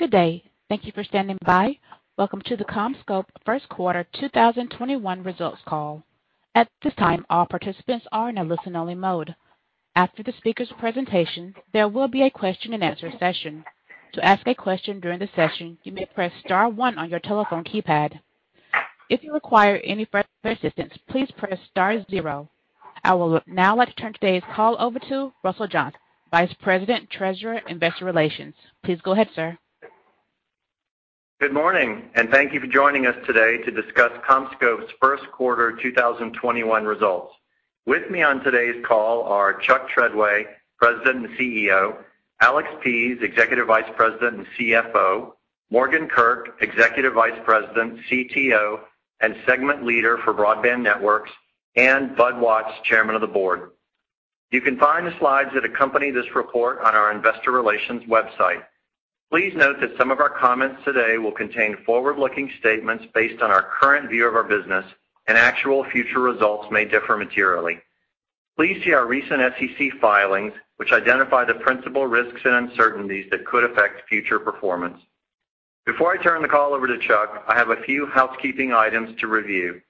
Good day. Thank you for standing by. Welcome to the CommScope first quarter 2021 Results Call. At this time, all participants are in a listen-only mode. After the speakers' presentation, there will be a question and answer session. To ask a question during the session, you may press star 1 on your telephone keypad. If you require any further assistance, please press star 0. I will now like to turn today's call over to Russell Johns, Vice President, Treasurer, Investor Relations. Please go ahead, sir. Good morning, and thank you for joining us today to discuss CommScope first quarter 2021 results. With me on today's call are Chuck Treadway, President and CEO, Alex Pease, Executive Vice President and CFO, Morgan Kirk, Executive Vice President, CTO and Segment Leader for Broadband Networks, and Bud Watts, Chairman of the Board. You can find the slides that accompany this report on our investor relations website. Please note that some of our comments today will contain forward-looking statements based on our current view of our business, and actual future results may differ materially. Please see our recent SEC filings, which identify the principal risks and uncertainties that could affect future performance. Before I turn the call over to Chuck, I have a few housekeeping items to review.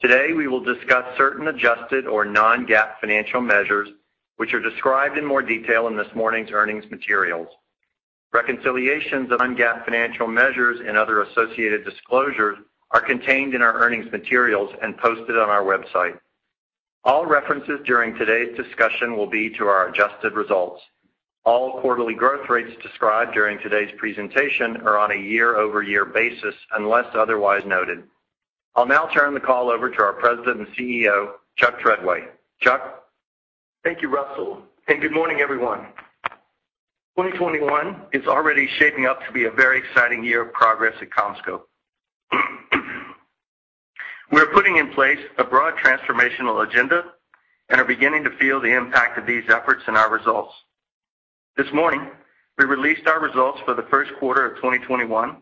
Today, we will discuss certain adjusted or non-GAAP financial measures, which are described in more detail in this morning's earnings materials. Reconciliations of non-GAAP financial measures and other associated disclosures are contained in our earnings materials and posted on our website. All references during today's discussion will be to our adjusted results. All quarterly growth rates described during today's presentation are on a year-over-year basis, unless otherwise noted. I'll now turn the call over to our President and CEO, Chuck Treadway. Chuck? Thank you, Russell, and good morning, everyone. 2021 is already shaping up to be a very exciting year of progress at Vistance Networks. We're putting in place a broad transformational agenda and are beginning to feel the impact of these efforts in our results. This morning, we released our results for the first quarter of 2021,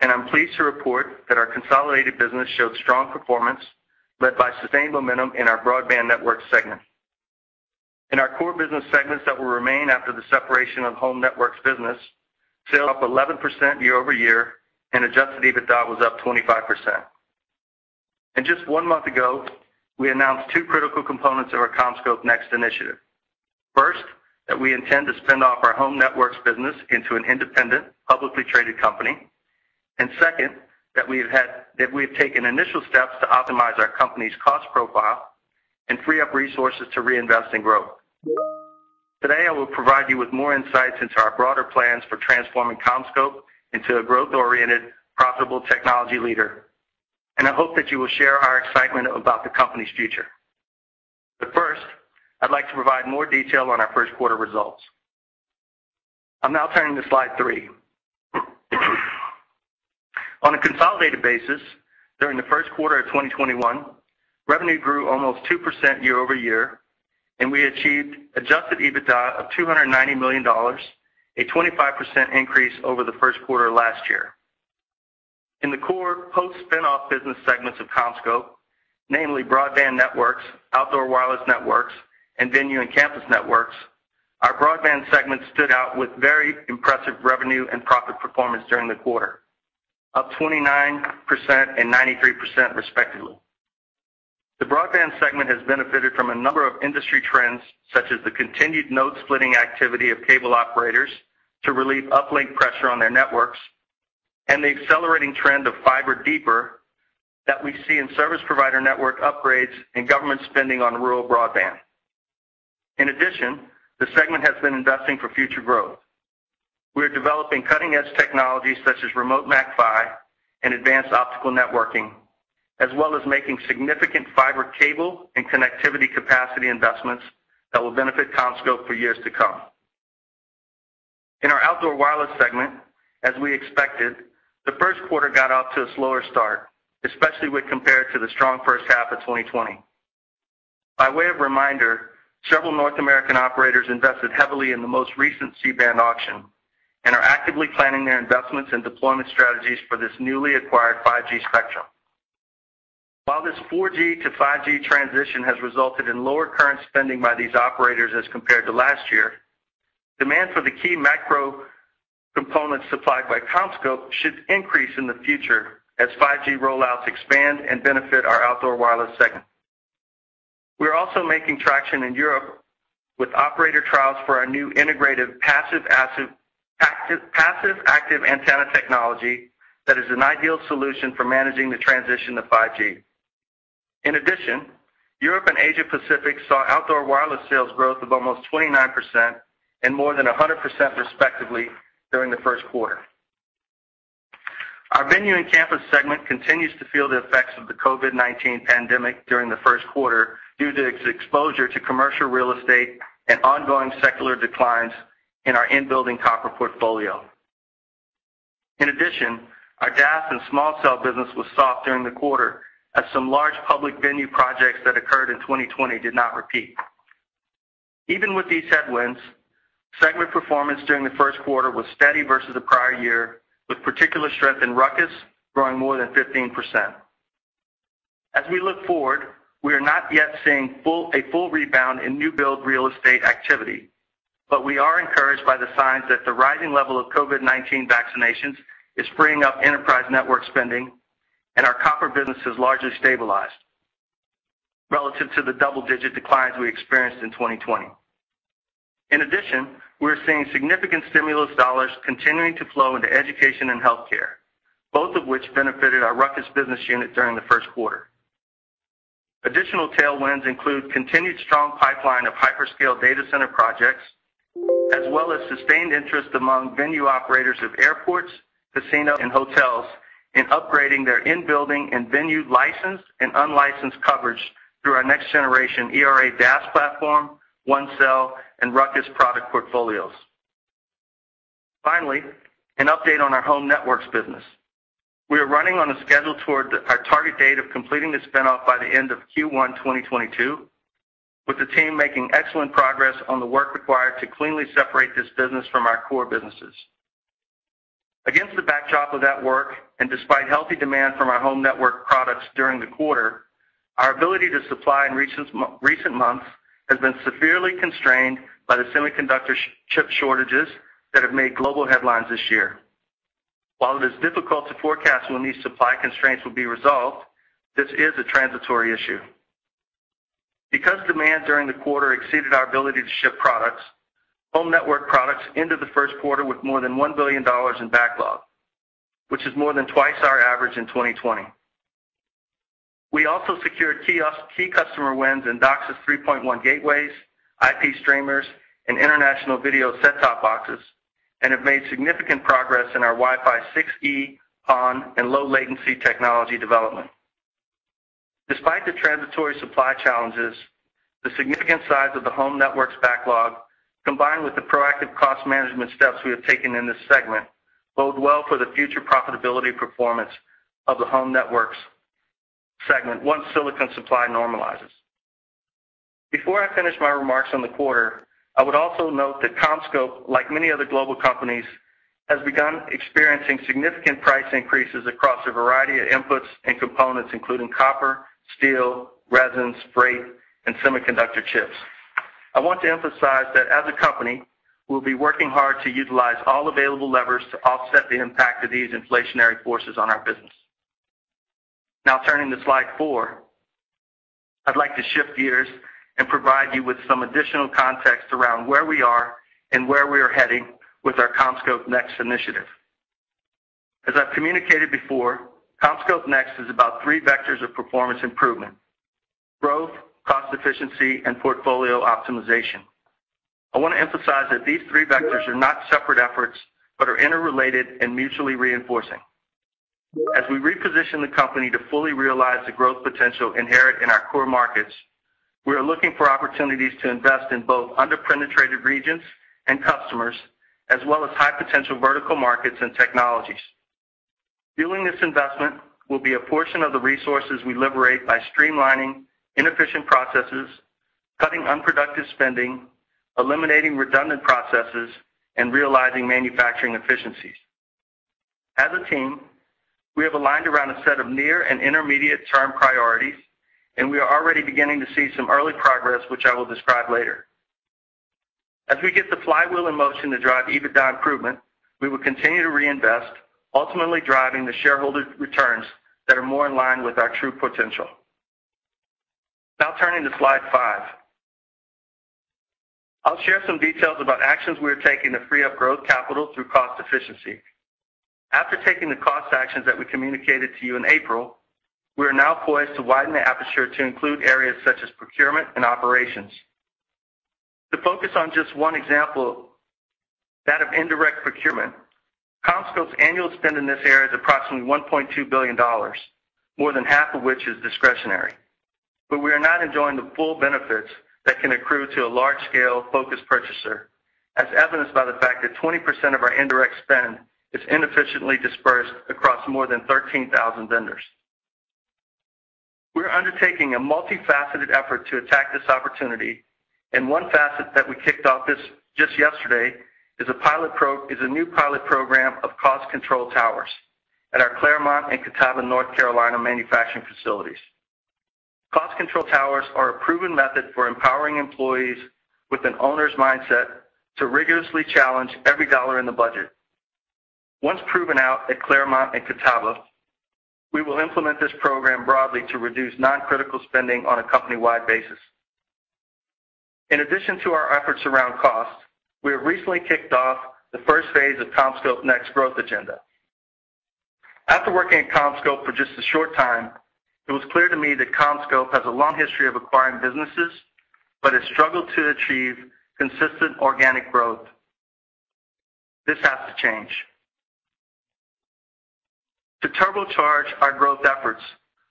and I'm pleased to report that our consolidated business showed strong performance, led by sustained momentum in our Broadband Networks segment. In our core business segments that will remain after the separation of Home Networks business, sales up 11% year-over-year, and adjusted EBITDA was up 25%. Just one month ago, we announced two critical components of our CommScope NEXT initiative. First, that we intend to spin off our Home Networks business into an independent, publicly traded company. Second, that we've taken initial steps to optimize our company's cost profile and free up resources to reinvest in growth. Today, I will provide you with more insights into our broader plans for transforming CommScope into a growth-oriented, profitable technology leader, and I hope that you will share our excitement about the company's future. First, I'd like to provide more detail on our first quarter results. I'm now turning to slide three. On a consolidated basis, during the first quarter of 2021, revenue grew almost 2% year-over-year, and we achieved adjusted EBITDA of $290 million, a 25% increase over the first quarter last year. In the core post-spin-off business segments of CommScope, namely Broadband Networks, Outdoor Wireless Networks, and Venue and Campus Networks, our Broadband segment stood out with very impressive revenue and profit performance during the quarter, up 29% and 93% respectively. The Broadband segment has benefited from a number of industry trends, such as the continued node splitting activity of cable operators to relieve uplink pressure on their networks and the accelerating trend of fiber deeper that we see in service provider network upgrades and government spending on rural broadband. In addition, the segment has been investing for future growth. We are developing cutting-edge technologies such as Remote MAC-PHY and advanced optical networking, as well as making significant fiber cable and connectivity capacity investments that will benefit CommScope for years to come. In our Outdoor Wireless segment, as we expected, the first quarter got off to a slower start, especially when compared to the strong first half of 2020. By way of reminder, several North American operators invested heavily in the most recent C-band auction and are actively planning their investments and deployment strategies for this newly acquired 5G spectrum. While this 4G to 5G transition has resulted in lower current spending by these operators as compared to last year, demand for the key macro components supplied by CommScope should increase in the future as 5G rollouts expand and benefit our Outdoor Wireless segment. We're also making traction in Europe with operator trials for our new integrated passive active antenna technology that is an ideal solution for managing the transition to 5G. In addition, Europe and Asia Pacific saw Outdoor Wireless sales growth of almost 29% and more than 100% respectively during the first quarter. Our Venue and Campus segment continues to feel the effects of the COVID-19 pandemic during the first quarter due to its exposure to commercial real estate and ongoing secular declines in our in-building copper portfolio. In addition, our DAS and small cell business was soft during the quarter as some large public venue projects that occurred in 2020 did not repeat. Even with these headwinds, segment performance during the first quarter was steady versus the prior year, with particular strength in RUCKUS growing more than 15%. As we look forward, we are not yet seeing a full rebound in new build real estate activity. We are encouraged by the signs that the rising level of COVID-19 vaccinations is freeing up enterprise network spending and our copper business has largely stabilized relative to the double-digit declines we experienced in 2020. In addition, we're seeing significant stimulus dollars continuing to flow into education and healthcare, both of which benefited our RUCKUS business unit during the first quarter. Additional tailwinds include continued strong pipeline of hyperscale data center projects, as well as sustained interest among venue operators of airports, casinos, and hotels in upgrading their in-building and venue licensed and unlicensed coverage through our next generation ERA DAS platform, ONECELL, and RUCKUS product portfolios. Finally, an update on our home networks business. We are running on a schedule toward our target date of completing the spin-off by the end of Q1 2022, with the team making excellent progress on the work required to cleanly separate this business from our core businesses. Against the backdrop of that work, and despite healthy demand from our home network products during the quarter, our ability to supply in recent months has been severely constrained by the semiconductor chip shortages that have made global headlines this year. While it is difficult to forecast when these supply constraints will be resolved, this is a transitory issue. Demand during the quarter exceeded our ability to ship products, home network products into the first quarter with more than $1 billion in backlog, which is more than twice our average in 2020. We also secured key customer wins in DOCSIS 3.1 gateways, IP streamers, and international video set-top boxes, and have made significant progress in our Wi-Fi 6E, PON, and low latency technology development. Despite the transitory supply challenges, the significant size of the home networks backlog, combined with the proactive cost management steps we have taken in this segment, bode well for the future profitability performance of the home networks segment once silicon supply normalizes. Before I finish my remarks on the quarter, I would also note that CommScope, like many other global companies, has begun experiencing significant price increases across a variety of inputs and components, including copper, steel, resins, freight, and semiconductor chips. I want to emphasize that as a company, we'll be working hard to utilize all available levers to offset the impact of these inflationary forces on our business. Now turning to slide four, I'd like to shift gears and provide you with some additional context around where we are and where we are heading with our CommScope NEXT initiative. As I've communicated before, CommScope NEXT is about three vectors of performance improvement: growth, cost efficiency, and portfolio optimization. I want to emphasize that these three vectors are not separate efforts but are interrelated and mutually reinforcing. As we reposition the company to fully realize the growth potential inherent in our core markets, we are looking for opportunities to invest in both under-penetrated regions and customers, as well as high-potential vertical markets and technologies. Fueling this investment will be a portion of the resources we liberate by streamlining inefficient processes, cutting unproductive spending, eliminating redundant processes, and realizing manufacturing efficiencies. As a team, we have aligned around a set of near and intermediate term priorities, and we are already beginning to see some early progress, which I will describe later. As we get the flywheel in motion to drive EBITDA improvement, we will continue to reinvest, ultimately driving the shareholder returns that are more in line with our true potential. Now turning to slide five. I'll share some details about actions we are taking to free up growth capital through cost efficiency. After taking the cost actions that we communicated to you in April, we are now poised to widen the aperture to include areas such as procurement and operations. To focus on just one example, that of indirect procurement, CommScope's annual spend in this area is approximately $1.2 billion, more than half of which is discretionary. We are not enjoying the full benefits that can accrue to a large-scale, focused purchaser, as evidenced by the fact that 20% of our indirect spend is inefficiently dispersed across more than 13,000 vendors. We're undertaking a multifaceted effort to attack this opportunity, one facet that we kicked off just yesterday is a new pilot program of cost control towers at our Claremont and Catawba, North Carolina manufacturing facilities. Cost control towers are a proven method for empowering employees with an owner's mindset to rigorously challenge every dollar in the budget. Once proven out at Claremont and Catawba, we will implement this program broadly to reduce non-critical spending on a company-wide basis. In addition to our efforts around cost, we have recently kicked off the first phase of CommScope NEXT growth agenda. After working at CommScope for just a short time, it was clear to me that CommScope has a long history of acquiring businesses, but has struggled to achieve consistent organic growth. This has to change. To turbocharge our growth efforts,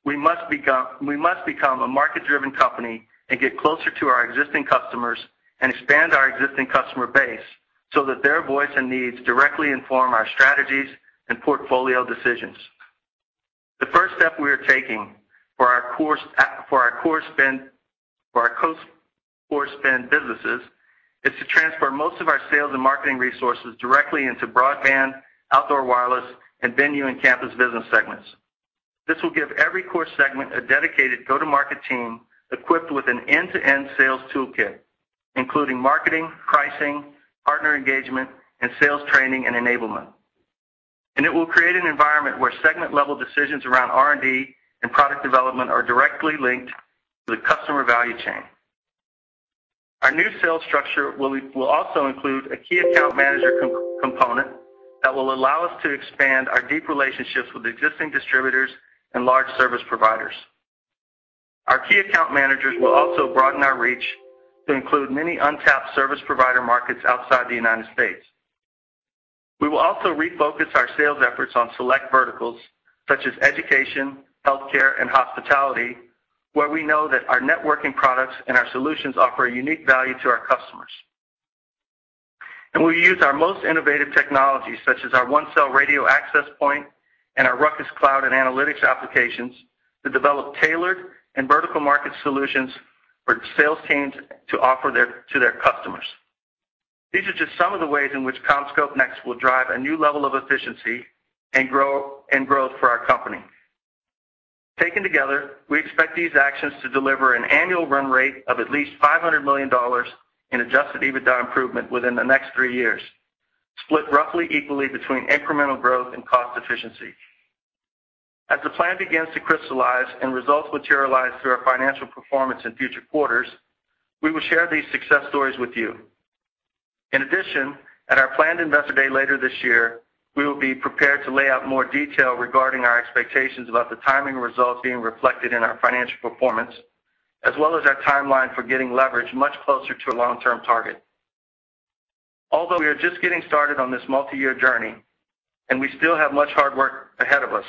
we must become a market-driven company and get closer to our existing customers and expand our existing customer base so that their voice and needs directly inform our strategies and portfolio decisions. The first step we are taking for our core spend businesses is to transfer most of our sales and marketing resources directly into broadband, outdoor wireless, and venue and campus business segments. This will give every core segment a dedicated go-to-market team equipped with an end-to-end sales toolkit, including marketing, pricing, partner engagement, and sales training and enablement. It will create an environment where segment-level decisions around R&D and product development are directly linked to the customer value chain. Our new sales structure will also include a key account manager component that will allow us to expand our deep relationships with existing distributors and large service providers. Our key account managers will also broaden our reach to include many untapped service provider markets outside the U.S. We will also refocus our sales efforts on select verticals such as education, healthcare, and hospitality, where we know that our networking products and our solutions offer a unique value to our customers. We use our most innovative technologies, such as our ONECELL radio access point and our RUCKUS Cloud and analytics applications to develop tailored and vertical market solutions for sales teams to offer to their customers. These are just some of the ways in which CommScope NEXT will drive a new level of efficiency and growth for our company. Taken together, we expect these actions to deliver an annual run rate of at least $500 million in adjusted EBITDA improvement within the next three years, split roughly equally between incremental growth and cost efficiency. As the plan begins to crystallize and results materialize through our financial performance in future quarters, we will share these success stories with you. In addition, at our planned Investor Day later this year, we will be prepared to lay out more detail regarding our expectations about the timing results being reflected in our financial performance, as well as our timeline for getting leverage much closer to a long-term target. Although we are just getting started on this multi-year journey, and we still have much hard work ahead of us,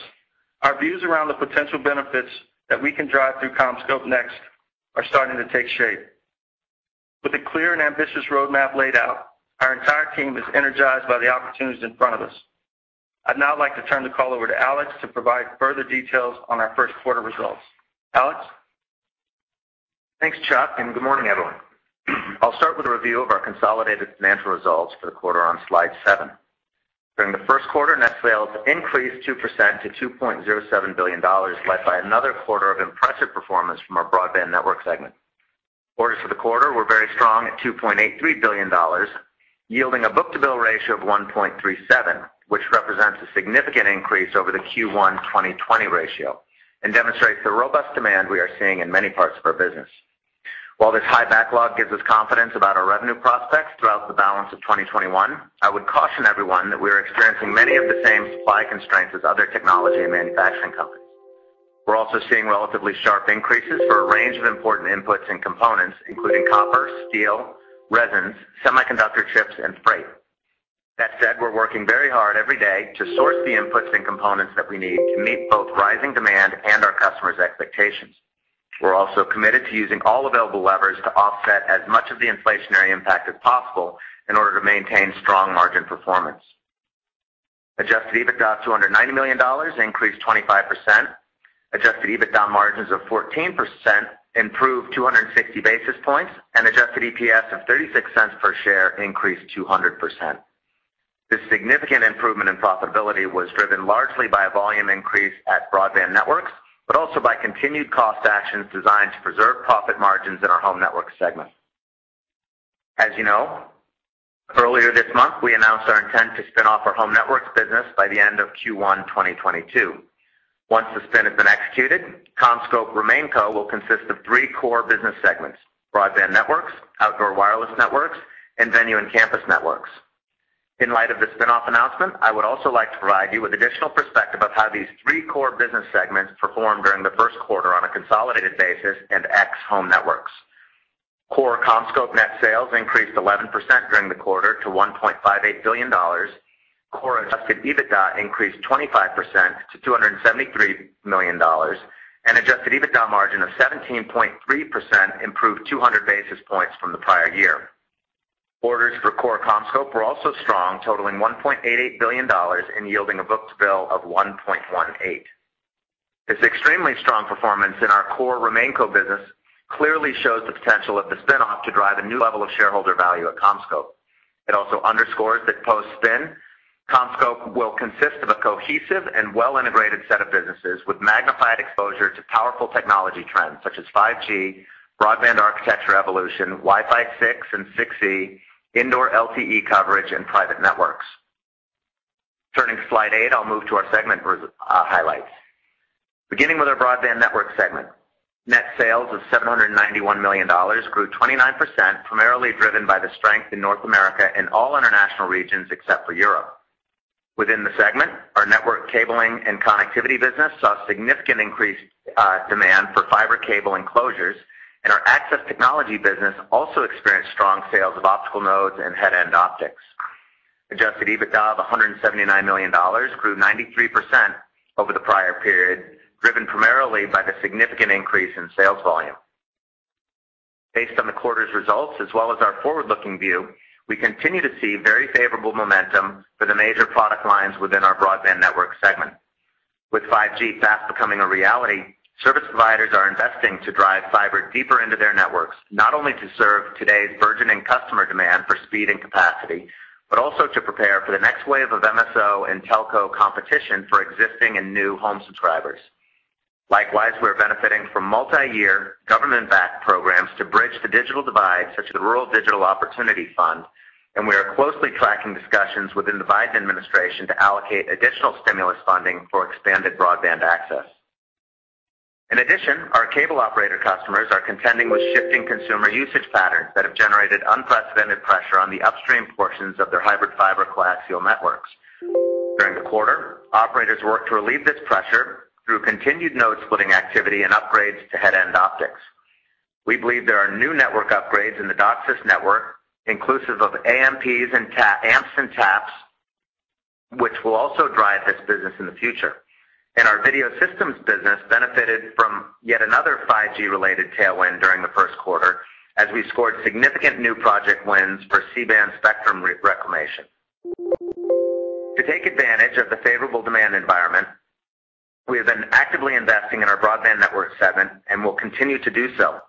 our views around the potential benefits that we can drive through CommScope NEXT are starting to take shape. With a clear and ambitious roadmap laid out, our entire team is energized by the opportunities in front of us. I'd now like to turn the call over to Alex to provide further details on our first quarter results. Alex? Thanks, Chuck, and good morning, everyone. I'll start with a review of our consolidated financial results for the quarter on slide seven. During the first quarter, net sales increased 2% to $2.07 billion, led by another quarter of impressive performance from our Broadband Networks segment. Orders for the quarter were very strong at $2.83 billion, yielding a book-to-bill ratio of 1.37, which represents a significant increase over the Q1 2020 ratio and demonstrates the robust demand we are seeing in many parts of our business. While this high backlog gives us confidence about our revenue prospects throughout the balance of 2021, I would caution everyone that we are experiencing many of the same supply constraints as other technology and manufacturing companies. We're also seeing relatively sharp increases for a range of important inputs and components, including copper, steel, resins, semiconductor chips, and freight. That said, we're working very hard every day to source the inputs and components that we need to meet both rising demand and our customers' expectations. We're also committed to using all available levers to offset as much of the inflationary impact as possible in order to maintain strong margin performance. Adjusted EBITDA to $290 million, increased 25%. Adjusted EBITDA margins of 14% improved 260 basis points, and adjusted EPS of $0.36 per share increased 200%. This significant improvement in profitability was driven largely by a volume increase at Broadband Networks, but also by continued cost actions designed to preserve profit margins in our Home Networks segment. As you know, earlier this month, we announced our intent to spin off our Home Networks business by the end of Q1 2022. Once the spin has been executed, CommScope RemainCo will consist of three core business segments: Broadband Networks, Outdoor Wireless Networks, and Venue and Campus Networks. In light of the spin-off announcement, I would also like to provide you with additional perspective of how these three core business segments performed during the first quarter on a consolidated basis and ex-Home Networks. Core CommScope net sales increased 11% during the quarter to $1.58 billion. Core adjusted EBITDA increased 25% to $273 million, and adjusted EBITDA margin of 17.3% improved 200 basis points from the prior year. Orders for core CommScope were also strong, totaling $1.88 billion and yielding a book-to-bill of 1.18. This extremely strong performance in our core RemainCo business clearly shows the potential of the spin-off to drive a new level of shareholder value at CommScope. It also underscores that post-spin, CommScope will consist of a cohesive and well-integrated set of businesses with magnified exposure to powerful technology trends such as 5G, broadband architecture evolution, Wi-Fi 6 and 6E, indoor LTE coverage, and private networks. Turning to slide eight, I'll move to our segment highlights. Beginning with our Broadband Network Segment. Net sales of $791 million grew 29%, primarily driven by the strength in North America and all international regions except for Europe. Within the segment, our network cabling and connectivity business saw significant increased demand for fiber cable enclosures, and our access technology business also experienced strong sales of optical nodes and headend optics. Adjusted EBITDA of $179 million grew 93% over the prior period, driven primarily by the significant increase in sales volume. Based on the quarter's results as well as our forward-looking view, we continue to see very favorable momentum for the major product lines within our Broadband Network Segment. With 5G fast becoming a reality, service providers are investing to drive fiber deeper into their networks, not only to serve today's burgeoning customer demand for speed and capacity, but also to prepare for the next wave of MSO and telco competition for existing and new home subscribers. Likewise, we're benefiting from multi-year government-backed programs to bridge the digital divide, such as the Rural Digital Opportunity Fund, and we are closely tracking discussions within the Biden administration to allocate additional stimulus funding for expanded broadband access. Our cable operator customers are contending with shifting consumer usage patterns that have generated unprecedented pressure on the upstream portions of their hybrid fiber-coaxial networks. During the quarter, operators worked to relieve this pressure through continued node splitting activity and upgrades to headend optics. We believe there are new network upgrades in the DOCSIS network, inclusive of Amps and taps, which will also drive this business in the future. Our video systems business benefited from yet another 5G-related tailwind during the first quarter, as we scored significant new project wins for C-band spectrum reclamation. To take advantage of the favorable demand environment, we have been actively investing in our Broadband Network Segment and will continue to do so.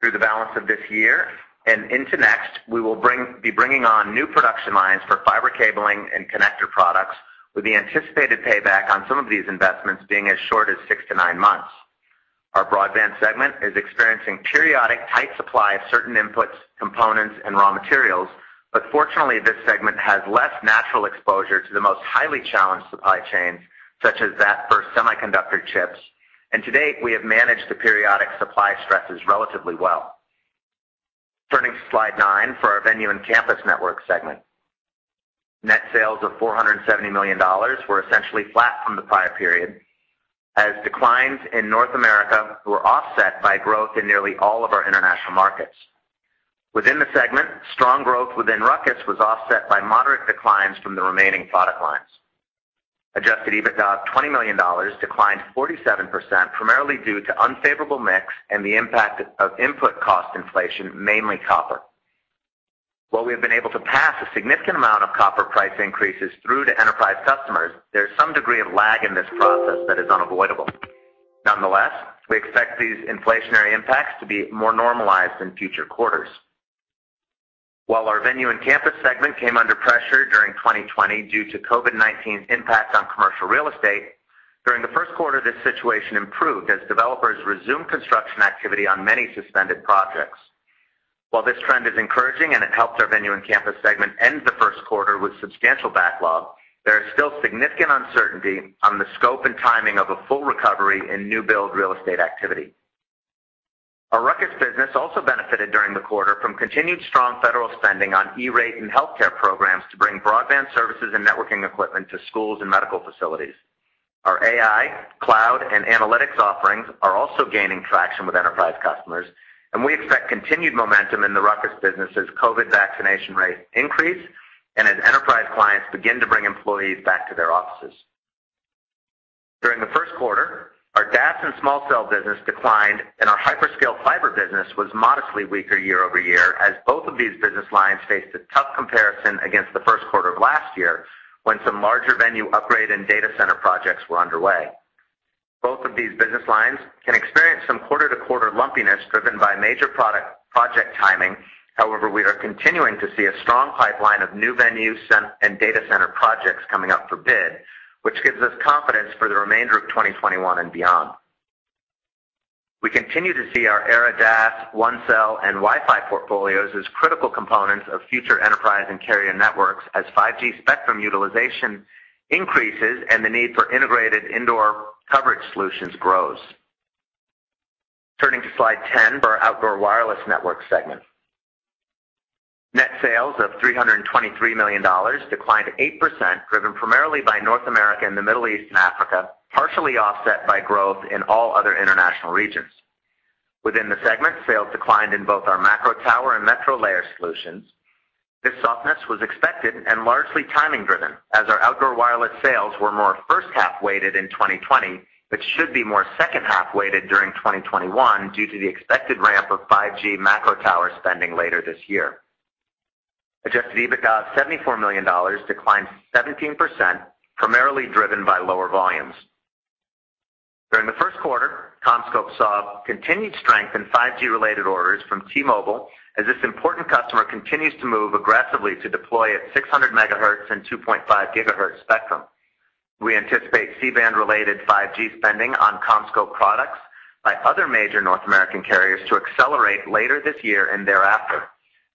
Through the balance of this year and into next, we will be bringing on new production lines for fiber cabling and connector products with the anticipated payback on some of these investments being as short as six to nine months. Our broadband segment is experiencing periodic tight supply of certain inputs, components, and raw materials, but fortunately, this segment has less natural exposure to the most highly challenged supply chains, such as that for semiconductor chips. To date, we have managed the periodic supply stresses relatively well. Turning to slide nine for our Venue and Campus Network Segment. Net sales of $470 million were essentially flat from the prior period, as declines in North America were offset by growth in nearly all of our international markets. Within the segment, strong growth within RUCKUS was offset by moderate declines from the remaining product lines. Adjusted EBITDA of $20 million declined 47%, primarily due to unfavorable mix and the impact of input cost inflation, mainly copper. While we have been able to pass a significant amount of copper price increases through to enterprise customers, there is some degree of lag in this process that is unavoidable. Nonetheless, we expect these inflationary impacts to be more normalized in future quarters. While our venue and campus segment came under pressure during 2020 due to COVID-19's impact on commercial real estate, during the first quarter, this situation improved as developers resumed construction activity on many suspended projects. While this trend is encouraging and it helped our venue and campus segment end the first quarter with substantial backlog, there is still significant uncertainty on the scope and timing of a full recovery in new build real estate activity. Our RUCKUS business also benefited during the quarter from continued strong federal spending on E-rate and healthcare programs to bring broadband services and networking equipment to schools and medical facilities. Our AI, cloud, and analytics offerings are also gaining traction with enterprise customers, and we expect continued momentum in the RUCKUS business as COVID vaccination rates increase and as enterprise clients begin to bring employees back to their offices. During the first quarter, our DAS and small cell business declined, and our hyperscale fiber business was modestly weaker year-over-year as both of these business lines faced a tough comparison against the first quarter of last year when some larger venue upgrade and data center projects were underway. Both of these business lines can experience some quarter-to-quarter lumpiness driven by major project timing. However, we are continuing to see a strong pipeline of new venue and data center projects coming up for bid, which gives us confidence for the remainder of 2021 and beyond. We continue to see our ERA DAS, ONECELL, and Wi-Fi portfolios as critical components of future enterprise and carrier networks as 5G spectrum utilization increases and the need for integrated indoor coverage solutions grows. Turning to slide 10 for our outdoor wireless network segment. Net sales of $323 million declined 8%, driven primarily by North America and the Middle East and Africa, partially offset by growth in all other international regions. Within the segment, sales declined in both our macro tower and metro layer solutions. This softness was expected and largely timing driven, as our outdoor wireless sales were more first half weighted in 2020, but should be more second half weighted during 2021 due to the expected ramp of 5G macro tower spending later this year. Adjusted EBITDA of $74 million declined 17%, primarily driven by lower volumes. During the first quarter, CommScope saw continued strength in 5G-related orders from T-Mobile as this important customer continues to move aggressively to deploy its 600 MHz and 2.5 GHz spectrum. We anticipate C-band related 5G spending on CommScope products by other major North American carriers to accelerate later this year and thereafter.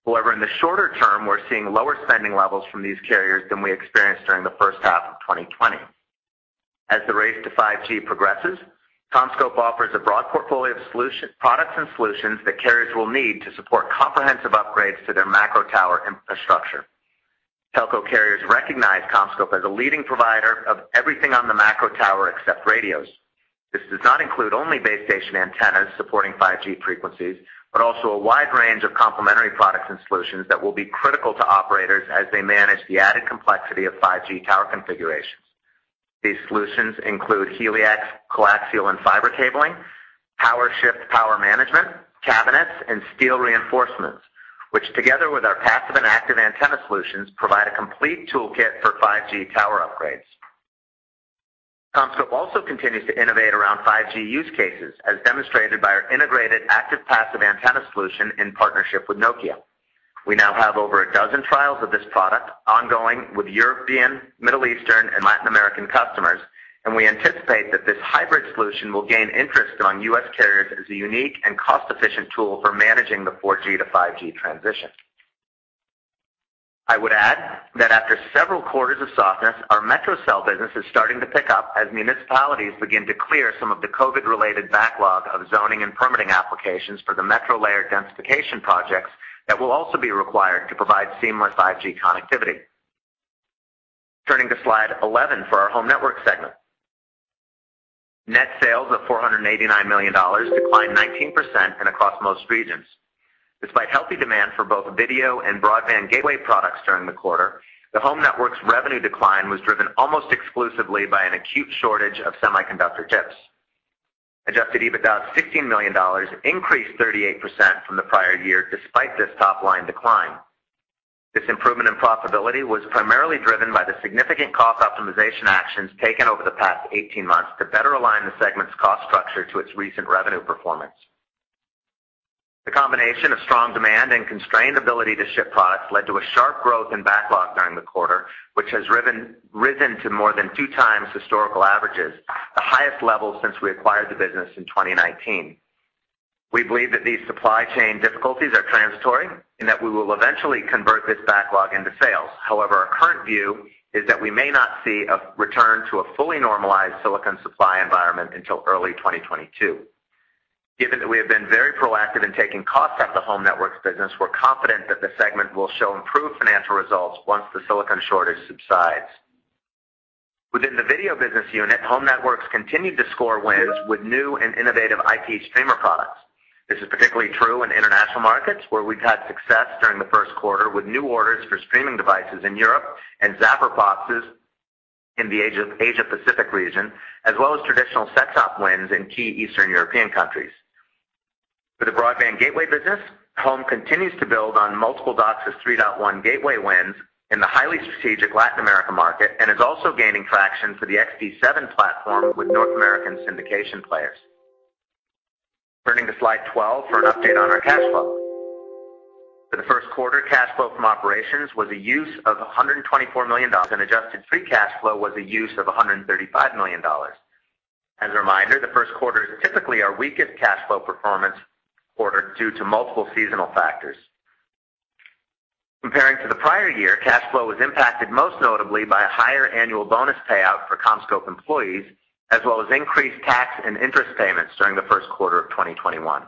However, in the shorter term, we're seeing lower spending levels from these carriers than we experienced during the first half of 2020. As the race to 5G progresses, CommScope offers a broad portfolio of products and solutions that carriers will need to support comprehensive upgrades to their macro tower infrastructure. Telco carriers recognize CommScope as a leading provider of everything on the macro tower except radios. This does not include only base station antennas supporting 5G frequencies, but also a wide range of complementary products and solutions that will be critical to operators as they manage the added complexity of 5G tower configurations. These solutions include HELIAX, coaxial and fiber cabling PowerShift power management, cabinets, and steel reinforcements, which together with our passive and active antenna solutions, provide a complete toolkit for 5G tower upgrades. CommScope also continues to innovate around 5G use cases, as demonstrated by our integrated active passive antenna solution in partnership with Nokia. We now have over a dozen trials of this product ongoing with European, Middle Eastern, and Latin American customers, and we anticipate that this hybrid solution will gain interest among U.S. carriers as a unique and cost-efficient tool for managing the 4G to 5G transition. I would add that after several quarters of softness, our metro cell business is starting to pick up as municipalities begin to clear some of the COVID-related backlog of zoning and permitting applications for the metro layer densification projects that will also be required to provide seamless 5G connectivity. Turning to slide 11 for our home network segment. Net sales of $489 million declined 19% across most regions. Despite healthy demand for both video and broadband gateway products during the quarter, the Home network's revenue decline was driven almost exclusively by an acute shortage of semiconductor chips. Adjusted EBITDA of $16 million increased 38% from the prior year despite this top-line decline. This improvement in profitability was primarily driven by the significant cost optimization actions taken over the past 18 months to better align the segment's cost structure to its recent revenue performance. The combination of strong demand and constrained ability to ship products led to a sharp growth in backlog during the quarter, which has risen to more than two times historical averages, the highest level since we acquired the business in 2019. We believe that these supply chain difficulties are transitory and that we will eventually convert this backlog into sales. However, our current view is that we may not see a return to a fully normalized silicon supply environment until early 2022. Given that we have been very proactive in taking costs out the Home networks business, we're confident that the segment will show improved financial results once the silicon shortage subsides. Within the video business unit, Home networks continued to score wins with new and innovative IP streamer products. This is particularly true in international markets, where we've had success during the first quarter with new orders for streaming devices in Europe and ZapperBox in the Asia-Pacific region, as well as traditional set-top wins in key Eastern European countries. For the broadband gateway business, Home continues to build on multiple DOCSIS 3.1 gateway wins in the highly strategic Latin America market and is also gaining traction for the XD7 platform with North American syndication players. Turning to slide 12 for an update on our cash flow. For the first quarter, cash flow from operations was a use of $124 million, and adjusted free cash flow was a use of $135 million. As a reminder, the first quarter is typically our weakest cash flow performance quarter due to multiple seasonal factors. Comparing to the prior year, cash flow was impacted most notably by a higher annual bonus payout for CommScope employees, as well as increased tax and interest payments during the first quarter of 2021.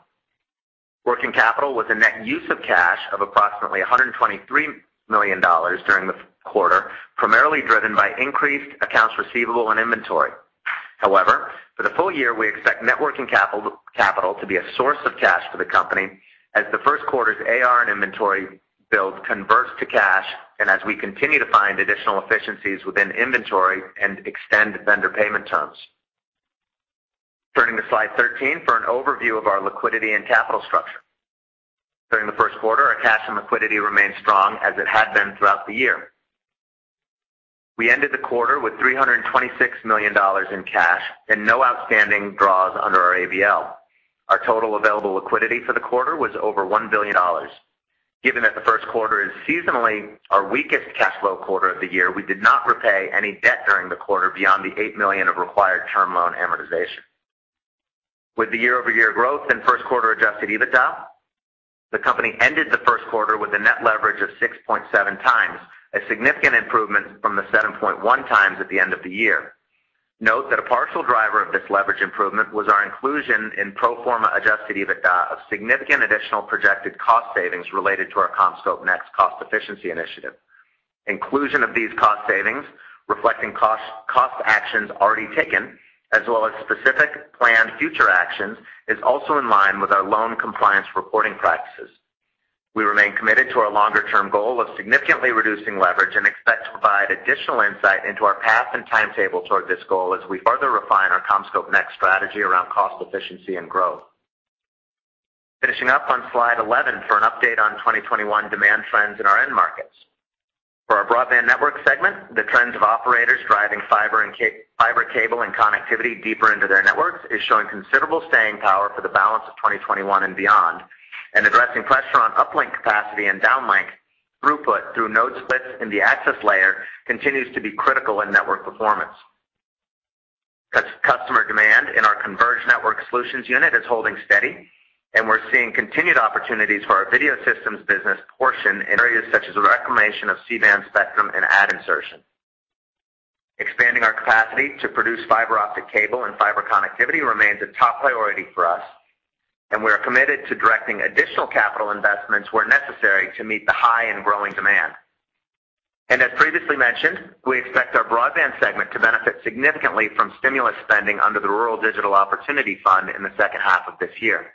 Working capital was a net use of cash of approximately $123 million during the quarter, primarily driven by increased accounts receivable and inventory. For the full year, we expect net working capital to be a source of cash for the company as the first quarter's AR and inventory build converts to cash and as we continue to find additional efficiencies within inventory and extend vendor payment terms. Turning to slide 13 for an overview of our liquidity and capital structure. During the first quarter, our cash and liquidity remained strong as it had been throughout the year. We ended the quarter with $326 million in cash and no outstanding draws under our ABL. Our total available liquidity for the quarter was over $1 billion. Given that the first quarter is seasonally our weakest cash flow quarter of the year, we did not repay any debt during the quarter beyond the $8 million of required term loan amortization. With the year-over-year growth in first quarter adjusted EBITDA, the company ended the first quarter with a net leverage of 6.7 times, a significant improvement from the 7.1 times at the end of the year. Note that a partial driver of this leverage improvement was our inclusion in pro forma adjusted EBITDA of significant additional projected cost savings related to our CommScope NEXT cost efficiency initiative. Inclusion of these cost savings, reflecting cost actions already taken, as well as specific planned future actions, is also in line with our loan compliance reporting practices. We remain committed to our longer-term goal of significantly reducing leverage and expect to provide additional insight into our path and timetable toward this goal as we further refine our CommScope NEXT strategy around cost efficiency and growth. Finishing up on slide 11 for an update on 2021 demand trends in our end markets. For our broadband network segment, the trends of operators driving fiber cable and connectivity deeper into their networks is showing considerable staying power for the balance of 2021 and beyond. Addressing pressure on uplink capacity and downlink throughput through node splits in the access layer continues to be critical in network performance. Customer demand in our converged network solutions unit is holding steady, and we're seeing continued opportunities for our video systems business portion in areas such as reclamation of C-band spectrum and ad insertion. Expanding our capacity to produce fiber optic cable and fiber connectivity remains a top priority for us, and we are committed to directing additional capital investments where necessary to meet the high and growing demand. As previously mentioned, we expect our broadband segment to benefit significantly from stimulus spending under the Rural Digital Opportunity Fund in the second half of this year.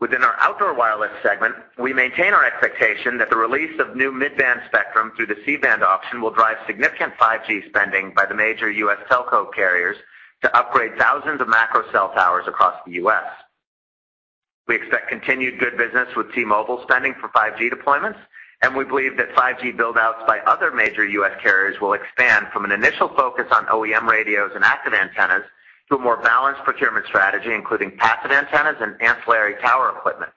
Within our Outdoor Wireless Segment, we maintain our expectation that the release of new mid-band spectrum through the C-band auction will drive significant 5G spending by the major U.S. telco carriers to upgrade thousands of macro cell towers across the U.S. We expect continued good business with T-Mobile spending for 5G deployments, and we believe that 5G build-outs by other major U.S. carriers will expand from an initial focus on OEM radios and active antennas to a more balanced procurement strategy, including passive antennas and ancillary tower equipment,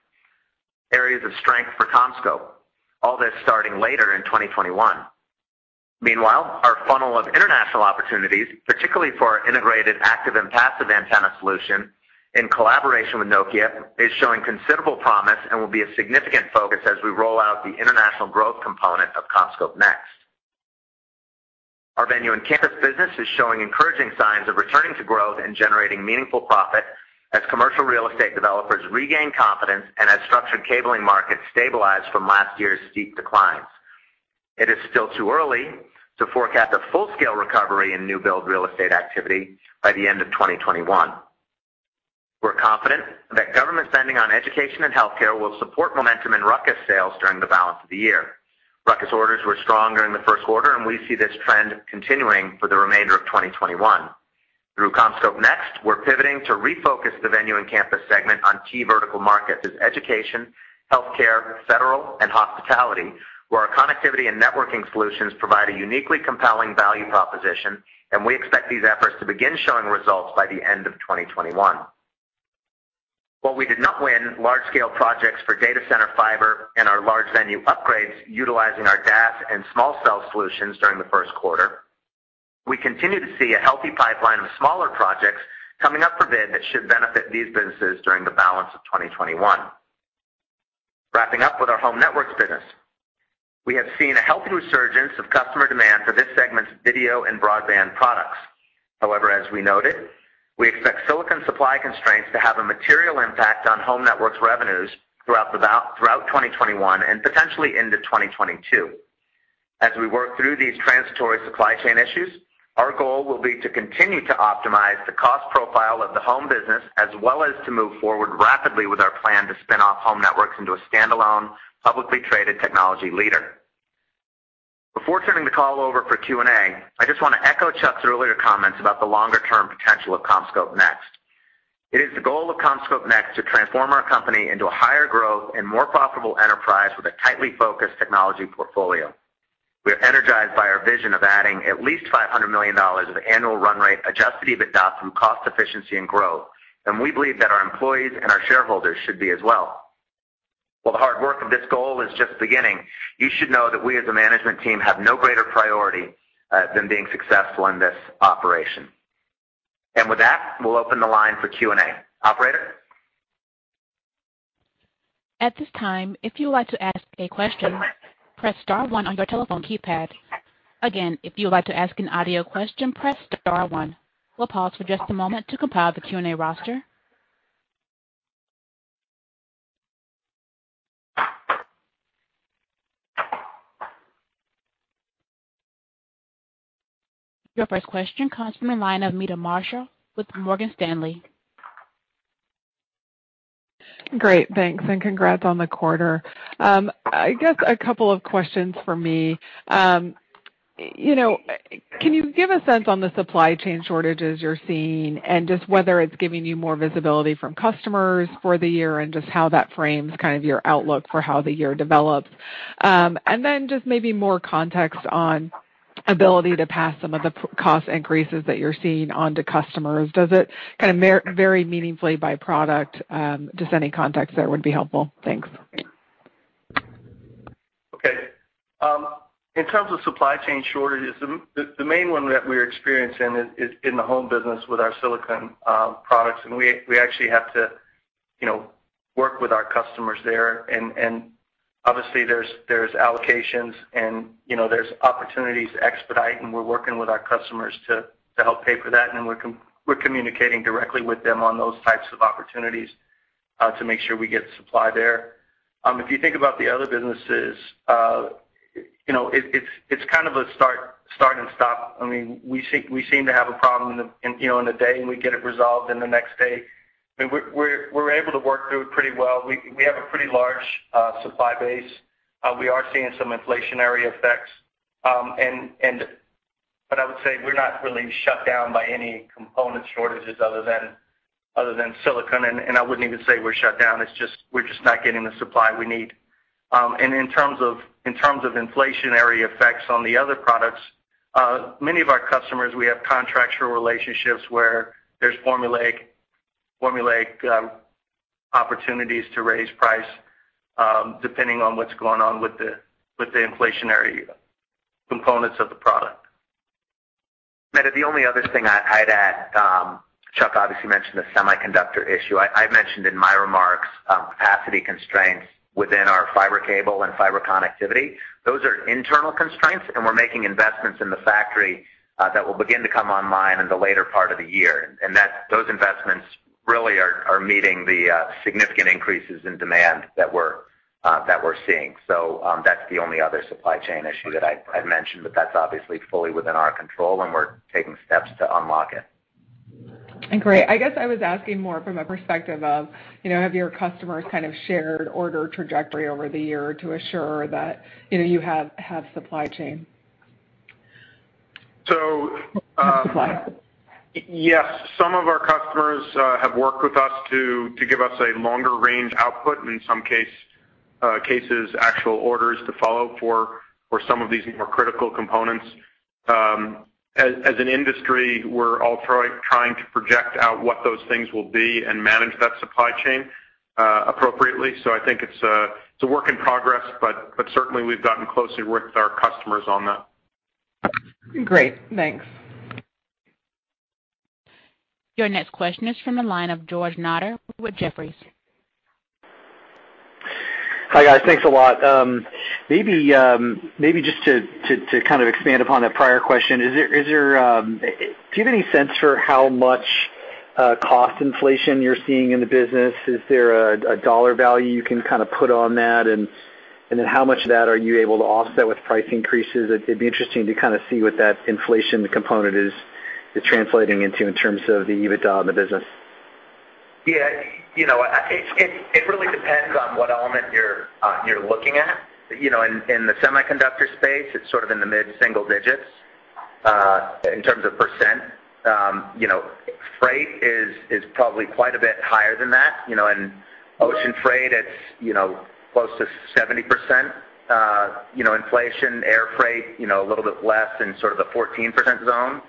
areas of strength for CommScope, all this starting later in 2021. Meanwhile, our funnel of international opportunities, particularly for our integrated active and passive antenna solution in collaboration with Nokia, is showing considerable promise and will be a significant focus as we roll out the international growth component of CommScope NEXT. Our Venue and Campus Business is showing encouraging signs of returning to growth and generating meaningful profit as commercial real estate developers regain confidence and as structured cabling markets stabilize from last year's steep declines. It is still too early to forecast a full-scale recovery in new build real estate activity by the end of 2021. We're confident that government spending on education and healthcare will support momentum in RUCKUS sales during the balance of the year. RUCKUS orders were strong during the first quarter, and we see this trend continuing for the remainder of 2021. Through CommScope NEXT, we're pivoting to refocus the Venue and Campus Segment on key vertical markets as education, healthcare, federal, and hospitality, where our connectivity and networking solutions provide a uniquely compelling value proposition, and we expect these efforts to begin showing results by the end of 2021. While we did not win large-scale projects for data center fiber and our large venue upgrades utilizing our DAS and small cell solutions during the first quarter, we continue to see a healthy pipeline of smaller projects coming up for bid that should benefit these businesses during the balance of 2021. Wrapping up with our Home Networks business. We have seen a healthy resurgence of customer demand for this segment's video and broadband products. However, as we noted, we expect silicon supply constraints to have a material impact on Home Networks revenues throughout 2021 and potentially into 2022. As we work through these transitory supply chain issues, our goal will be to continue to optimize the cost profile of the Home business, as well as to move forward rapidly with our plan to spin off Home Networks into a standalone, publicly traded technology leader. Before turning the call over for Q&A, I just want to echo Chuck's earlier comments about the longer-term potential of CommScope NEXT. It is the goal of CommScope NEXT to transform our company into a higher growth and more profitable enterprise with a tightly focused technology portfolio. We are energized by our vision of adding at least $500 million of annual run rate adjusted EBITDA from cost efficiency and growth, and we believe that our employees and our shareholders should be as well. While the hard work of this goal is just beginning, you should know that we as a management team have no greater priority than being successful in this operation. With that, we'll open the line for Q&A. Operator? At this time, if you would like to ask a question, press star one on your telephone keypad. Again, if you would like to ask an audio question, press star one. We'll pause for just a moment to compile the Q&A roster. Your first question comes from the line of Meta Marshall with Morgan Stanley. Great. Thanks, and congrats on the quarter. I guess a couple of questions from me. Can you give a sense on the supply chain shortages you're seeing and just whether it's giving you more visibility from customers for the year and just how that frames your outlook for how the year develops? Then just maybe more context on ability to pass some of the cost increases that you're seeing onto customers. Does it kind of vary meaningfully by product? Just any context there would be helpful. Thanks. Okay. In terms of supply chain shortages, the main one that we're experiencing is in the home business with our silicon products, and we actually have to work with our customers there. Obviously, there's allocations and there's opportunities to expedite, and we're working with our customers to help pay for that, and we're communicating directly with them on those types of opportunities to make sure we get supply there. If you think about the other businesses, it's kind of a start and stop. We seem to have a problem in the day, and we get it resolved in the next day. We're able to work through it pretty well. We have a pretty large supply base. We are seeing some inflationary effects. I would say we're not really shut down by any component shortages other than silicon, and I wouldn't even say we're shut down. We're just not getting the supply we need. In terms of inflationary effects on the other products, many of our customers, we have contractual relationships where there's formulaic opportunities to raise price, depending on what's going on with the inflationary components of the product. Meta, the only other thing I'd add, Chuck obviously mentioned the semiconductor issue. I mentioned in my remarks capacity constraints within our fiber cable and fiber connectivity. Those are internal constraints, and we're making investments in the factory that will begin to come online in the later part of the year. Those investments really are meeting the significant increases in demand that we're seeing. That's the only other supply chain issue that I've mentioned, but that's obviously fully within our control, and we're taking steps to unlock it. Great. I guess I was asking more from a perspective of, have your customers kind of shared order trajectory over the year to assure that you have supply chain? So- Supply Yes. Some of our customers have worked with us to give us a longer range output, and in some cases, actual orders to follow for some of these more critical components. As an industry, we're all trying to project out what those things will be and manage that supply chain appropriately. I think it's a work in progress, but certainly, we've gotten closely with our customers on that. Great, thanks. Your next question is from the line of George Notter with Jefferies. Hi, guys. Thanks a lot. Maybe just to kind of expand upon that prior question, do you have any sense for how much cost inflation you're seeing in the business? Is there a dollar value you can kind of put on that? How much of that are you able to offset with price increases? It'd be interesting to kind of see what that inflation component is translating into in terms of the EBITDA in the business. Yeah. It really depends on what element you're looking at. In the semiconductor space, it's sort of in the mid-single digits, in terms of %. Freight is probably quite a bit higher than that. In ocean freight, it's close to 70% inflation. Air freight, a little bit less in sort of the 14% zone.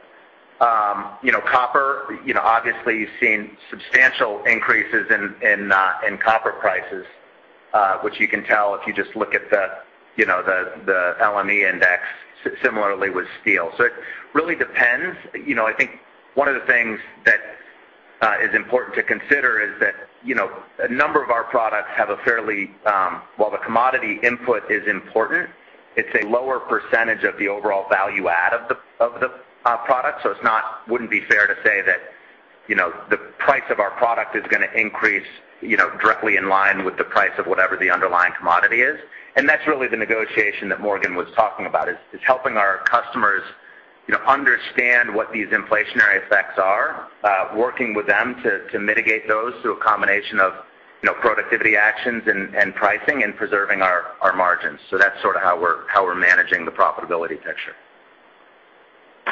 Copper, obviously you've seen substantial increases in copper prices, which you can tell if you just look at the LME index, similarly with steel. It really depends. I think one of the things that is important to consider is that a number of our products have a fairly while the commodity input is important, it's a lower % of the overall value add of the product. It wouldn't be fair to say that the price of our product is going to increase directly in line with the price of whatever the underlying commodity is. That's really the negotiation that Morgan was talking about, is helping our customers understand what these inflationary effects are, working with them to mitigate those through a combination of productivity actions and pricing, and preserving our margins. That's sort of how we're managing the profitability picture.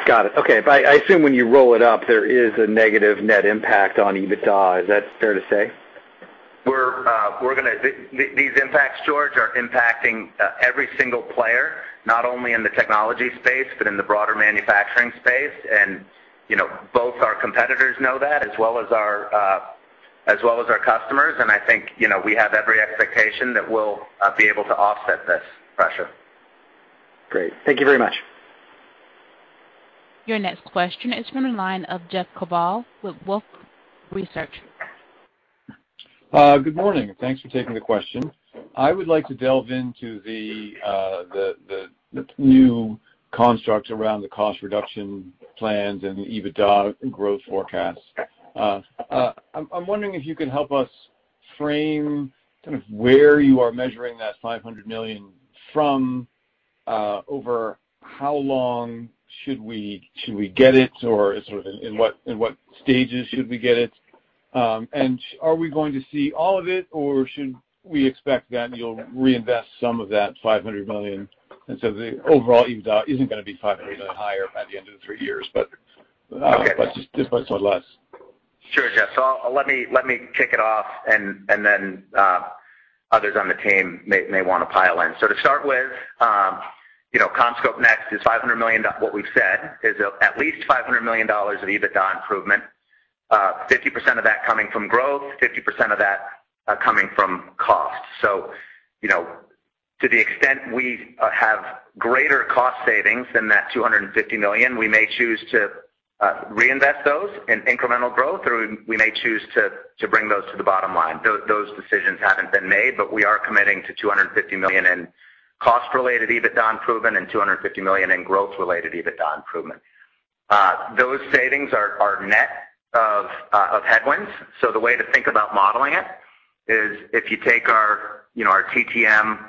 Got it. Okay. I assume when you roll it up, there is a negative net impact on EBITDA. Is that fair to say? These impacts, George, are impacting every single player, not only in the technology space, but in the broader manufacturing space. Both our competitors know that, as well as our customers. I think we have every expectation that we'll be able to offset this pressure. Great. Thank you very much. Your next question is from the line of Jeff Kvaal with Wolfe Research. Good morning. Thanks for taking the question. I would like to delve into the new constructs around the cost reduction plans and the EBITDA growth forecast. I'm wondering if you can help us frame kind of where you are measuring that $500 million from, over how long should we get it, or sort of in what stages should we get it? Are we going to see all of it, or should we expect that you'll reinvest some of that $500 million, and so the overall EBITDA isn't going to be $500 million higher by the end of the 3 years, but somewhat less? Sure, Jeff. Let me kick it off, and then others on the team may want to pile in. To start with, CommScope NEXT is $500 million. What we've said is at least $500 million of EBITDA improvement, 50% of that coming from growth, 50% of that coming from cost. To the extent we have greater cost savings than that $250 million, we may choose to reinvest those in incremental growth, or we may choose to bring those to the bottom line. Those decisions haven't been made, but we are committing to $250 million in cost-related EBITDA improvement and $250 million in growth-related EBITDA improvement. Those savings are net of headwinds. The way to think about modeling it is if you take our TTM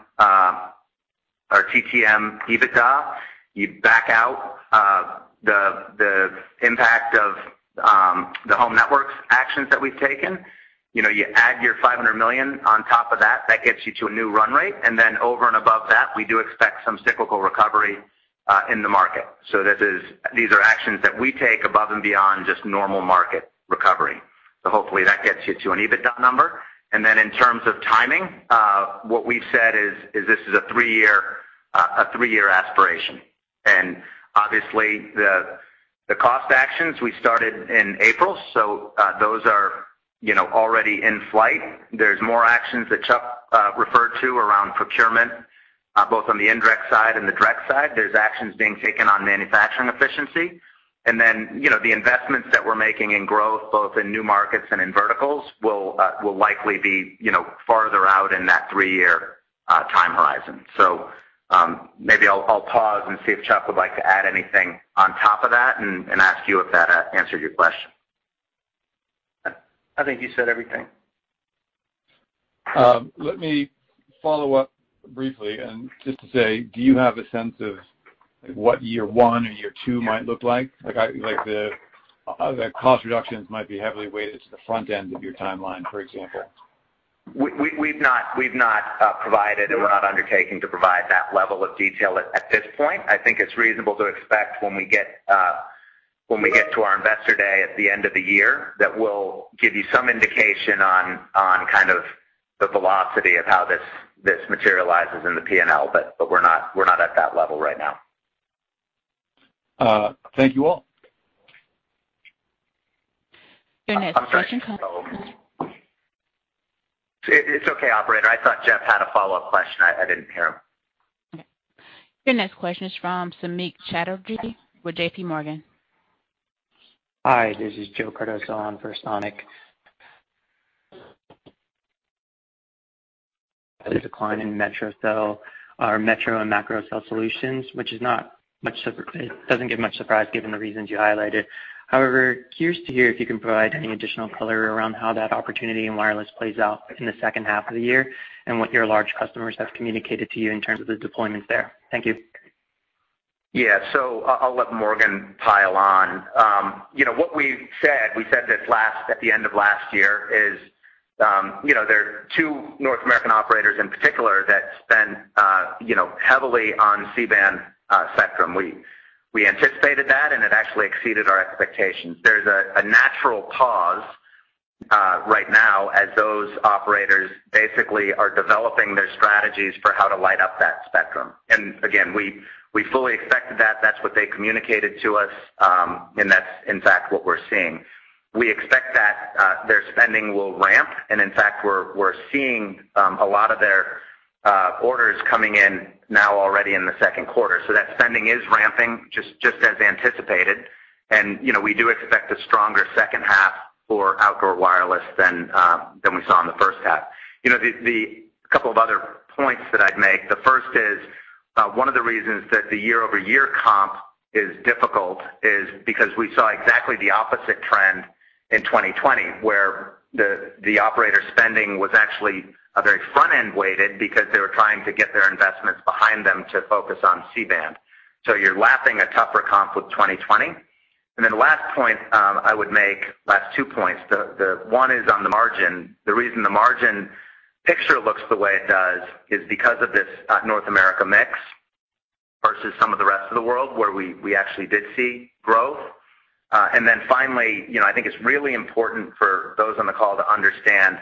EBITDA, you back out the impact of the Home Networks actions that we've taken. You add your $500 million on top of that gets you to a new run rate, and then over and above that, we do expect some cyclical recovery in the market. These are actions that we take above and beyond just normal market recovery. Hopefully that gets you to an EBITDA number. In terms of timing, what we've said is this is a three-year aspiration. Obviously the cost actions we started in April, those are already in flight. There's more actions that Chuck referred to around procurement, both on the indirect side and the direct side. There's actions being taken on manufacturing efficiency. The investments that we're making in growth, both in new markets and in verticals, will likely be farther out in that three-year time horizon. Maybe I'll pause and see if Chuck would like to add anything on top of that, and ask you if that answered your question. I think you said everything. Let me follow up briefly and just to say, do you have a sense of what year one or year two might look like? Like the cost reductions might be heavily weighted to the front end of your timeline, for example. We've not provided, and we're not undertaking to provide that level of detail at this point. I think it's reasonable to expect when we get to our investor day at the end of the year, that we'll give you some indication on the velocity of how this materializes in the P&L, but we're not at that level right now. Thank you all. Your next question comes- I'm sorry. It's okay, operator. I thought Jeff had a follow-up question. I didn't hear him. Okay. Your next question is from Samik Chatterjee with JP Morgan. Hi, this is Joe Cardoso on for Samik. A decline in metro cell or metro and macro cell solutions, which doesn't give much surprise given the reasons you highlighted. Curious to hear if you can provide any additional color around how that opportunity in wireless plays out in the second half of the year and what your large customers have communicated to you in terms of the deployments there. Thank you. Yeah. I'll let Morgan pile on. What we've said, we said this at the end of last year, is there are two North American operators in particular that spend heavily on C-band spectrum. It actually exceeded our expectations. There's a natural pause right now as those operators basically are developing their strategies for how to light up that spectrum. Again, we fully expected that. That's what they communicated to us, and that's in fact what we're seeing. We expect that their spending will ramp, and in fact, we're seeing a lot of their orders coming in now already in the second quarter. That spending is ramping, just as anticipated. We do expect a stronger second half for Outdoor Wireless than we saw in the first half. The couple of other points that I'd make, the first is, one of the reasons that the year-over-year comp is difficult is because we saw exactly the opposite trend in 2020, where the operator spending was actually very front-end weighted because they were trying to get their investments behind them to focus on C-band. You're lapping a tougher comp with 2020. Last point I would make, last two points. One is on the margin. The reason the margin picture looks the way it does is because of this North America mix versus some of the rest of the world where we actually did see growth. Finally, I think it's really important for those on the call to understand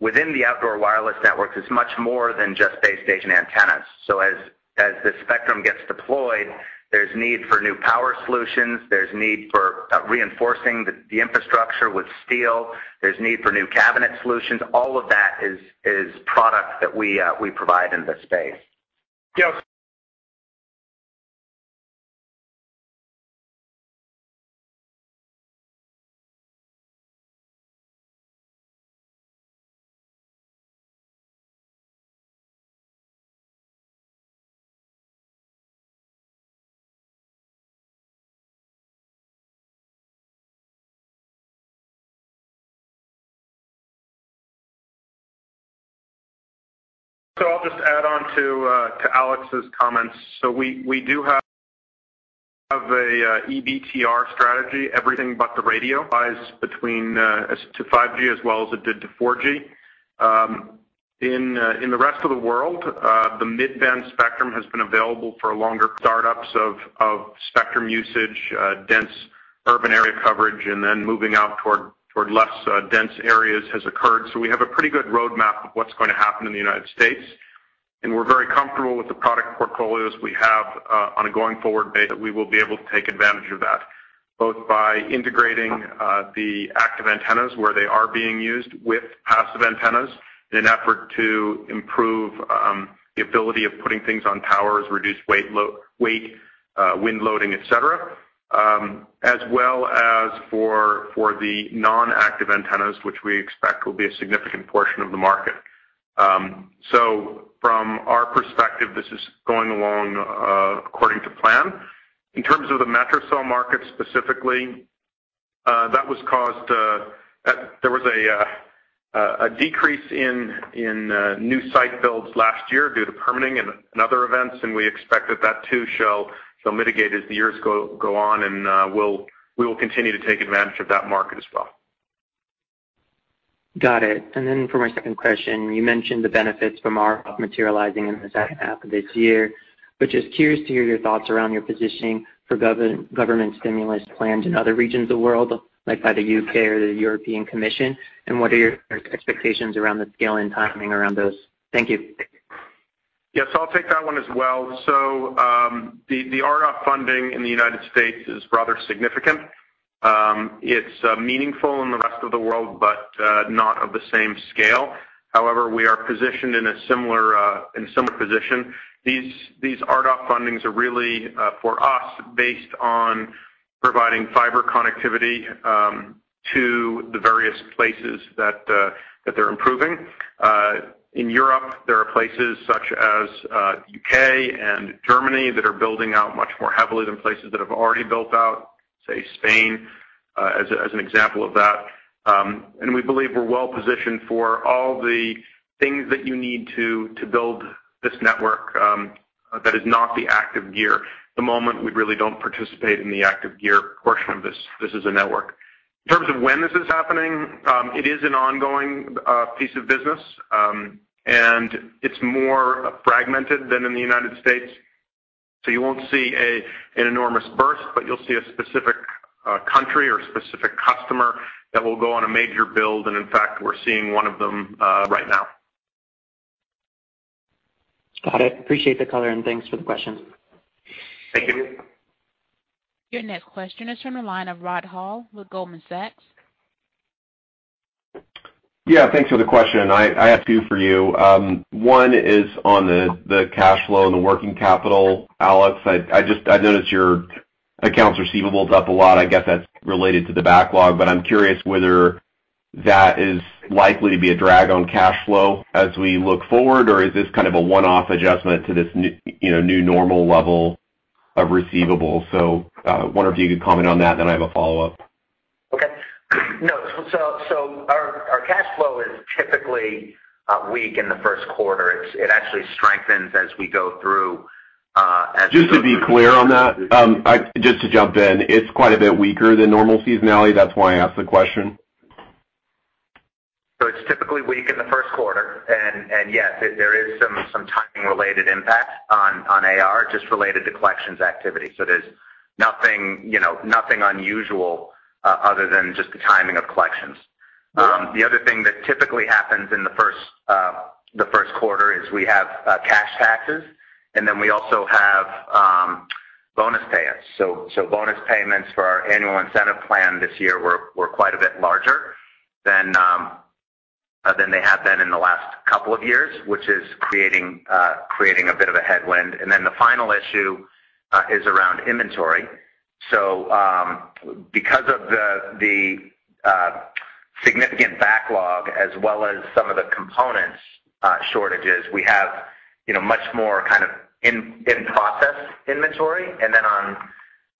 within the outdoor wireless networks, it's much more than just base station antennas. As the spectrum gets deployed, there's need for new power solutions, there's need for reinforcing the infrastructure with steel, there's need for new cabinet solutions. All of that is product that we provide in this space. I'll just add on to Alex's comments. We do have a EBTR strategy, everything but the radio, applies to 5G as well as it did to 4G. In the rest of the world, the mid-band spectrum has been available for longer. Startups of spectrum usage, dense urban area coverage, and then moving out toward less dense areas has occurred. We have a pretty good roadmap of what's going to happen in the U.S., and we're very comfortable with the product portfolios we have on a going forward basis that we will be able to take advantage of that, both by integrating the active antennas where they are being used with passive antennas in an effort to improve the ability of putting things on towers, reduce weight, wind loading, et cetera, as well as for the non-active antennas, which we expect will be a significant portion of the market. From our perspective, this is going along according to plan. In terms of the metro cell market specifically, there was a decrease in new site builds last year due to permitting and other events, and we expect that that too shall mitigate as the years go on, and we will continue to take advantage of that market as well. Got it. For my second question, you mentioned the benefits from RDOF materializing in the second half of this year, but just curious to hear your thoughts around your positioning for government stimulus plans in other regions of the world, like by the U.K. or the European Commission, and what are your expectations around the scale and timing around those? Thank you. Yes, I'll take that one as well. The RDOF funding in the U.S. is rather significant. It's meaningful in the rest of the world, but not of the same scale. However, we are positioned in a similar position. These RDOF fundings are really, for us, based on providing fiber connectivity to the various places that they're improving. In Europe, there are places such as U.K. and Germany that are building out much more heavily than places that have already built out, say Spain. As an example of that. We believe we're well-positioned for all the things that you need to build this network that is not the active gear. At the moment, we really don't participate in the active gear portion of this. This is a network. In terms of when this is happening, it is an ongoing piece of business, and it's more fragmented than in the U.S. You won't see an enormous burst, but you'll see a specific country or a specific customer that will go on a major build. In fact, we're seeing one of them right now. Got it. Appreciate the color and thanks for the question. Thank you. Your next question is from the line of Rod Hall with Goldman Sachs. Yeah, thanks for the question. I have two for you. One is on the cash flow and the working capital. Alex, I notice your accounts receivables up a lot. I guess that's related to the backlog, but I'm curious whether that is likely to be a drag on cash flow as we look forward, or is this kind of a one-off adjustment to this new normal level of receivables? Wonder if you could comment on that, I have a follow-up. Okay. No. Our cash flow is typically weak in the first quarter. Just to be clear on that, just to jump in, it's quite a bit weaker than normal seasonality. That's why I asked the question. It's typically weak in the first quarter. Yes, there is some timing related impact on AR, just related to collections activity. There's nothing unusual other than just the timing of collections. The other thing that typically happens in the first quarter is we have cash taxes, and then we also have bonus payouts. Bonus payments for our annual incentive plan this year were quite a bit larger than they have been in the last couple of years, which is creating a bit of a headwind. The final issue is around inventory. Because of the significant backlog as well as some of the components shortages, we have much more kind of in-process inventory.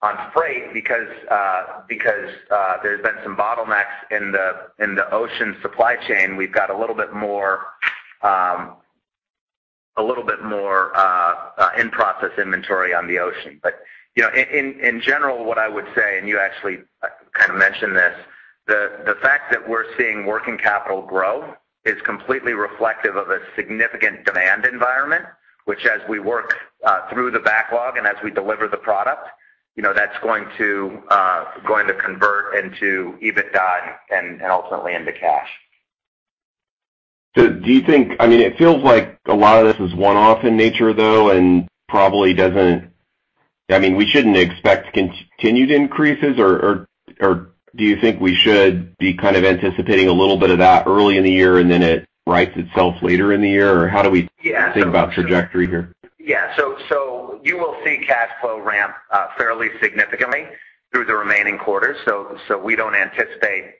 On freight, because there's been some bottlenecks in the ocean supply chain, we've got a little bit more in-process inventory on the ocean. In general, what I would say, and you actually kind of mentioned this, the fact that we're seeing working capital grow is completely reflective of a significant demand environment, which as we work through the backlog and as we deliver the product, that's going to convert into EBITDA and ultimately into cash. It feels like a lot of this is one-off in nature, though, and probably we shouldn't expect continued increases, or do you think we should be kind of anticipating a little bit of that early in the year and then it rights itself later in the year? How do we think about trajectory here? Yeah. You will see cash flow ramp fairly significantly through the remaining quarters. We don't anticipate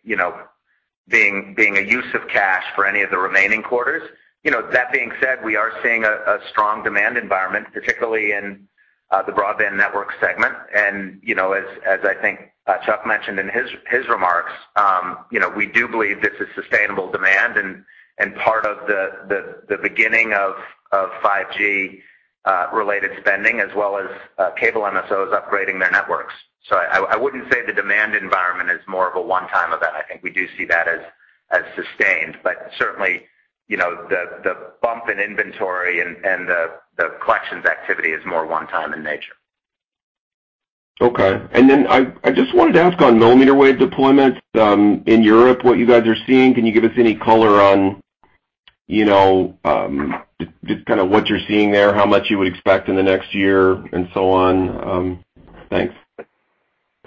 being a use of cash for any of the remaining quarters. That being said, we are seeing a strong demand environment, particularly in the broadband network segment. As I think Chuck mentioned in his remarks, we do believe this is sustainable demand and part of the beginning of 5G-related spending as well as cable MSOs upgrading their networks. I wouldn't say the demand environment is more of a one-time event. I think we do see that as sustained. Certainly, the bump in inventory and the collections activity is more one time in nature. Okay. I just wanted to ask on millimeter wave deployment in Europe, what you guys are seeing. Can you give us any color on just what you're seeing there, how much you would expect in the next year and so on? Thanks.